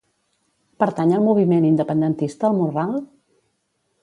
Pertany al moviment independentista el Morral?